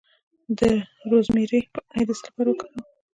د روزمیری پاڼې د څه لپاره وکاروم؟